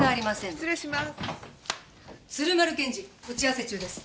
失礼します。